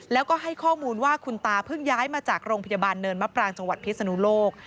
แล้วก็ให้ข้อมูลว่าคุณตาเพิ่งย้ายมาจากโรงพยาบาลเนินมะปรางจังหวัดพิศนุโลก